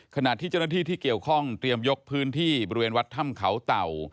ขณะที่เจ้าหน้าที่ที่เกี่ยวข้องเตรียมยกพื้นที่บริเวณวัดถ้ำเขาเต่า